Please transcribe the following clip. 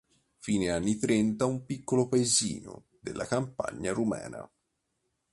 Fine anni trenta, un piccolo paesino della campagna rumena.